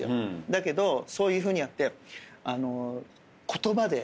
だけどそういうふうにやって言葉で。